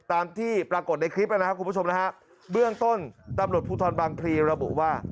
ตามที่ปรากฏในคลิปนะครับคุณผู้ชมนะฮะเบื้องต้นตำรวจภูทรบางพลีระบุว่า